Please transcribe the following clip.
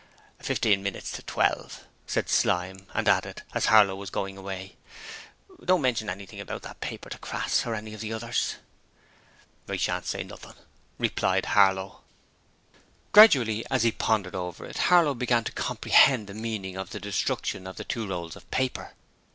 'Fifteen minutes to twelve,' said Slyme and added, as Harlow was going away: 'Don't mention anything about that paper to Crass or any of the others.' 'I shan't say nothing,' replied Harlow. Gradually, as he pondered over it, Harlow began to comprehend the meaning of the destruction of the two rolls of paper.